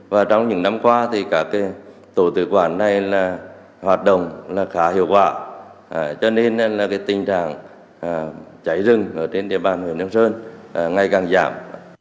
và trong những năm qua thì các tổ tự quản này hoạt động khá hiệu quả cho nên tình trạng cháy rừng ở trên địa bàn hương sơn ngay càng giảm